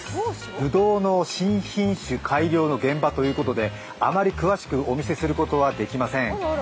ぶどうの新品種改良の現場ということであまり詳しくお見せすることはできません。